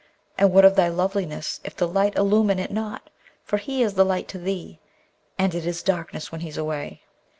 And what of thy loveliness if the light illumine it not, for he is the light to thee, and it is darkness when he's away.'